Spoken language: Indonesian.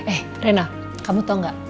eh rena kamu tau gak